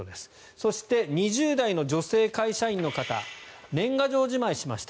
そして、２０代の女性会社員の方年賀状じまいしました。